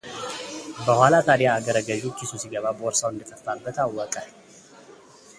በኋላ ታዲያ አገረ ገዢው ኪሱ ሲገባ ቦርሳው እንደጠፋበት አወቀ፡፡